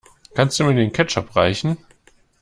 Kannst du mir den Ketchup reichen?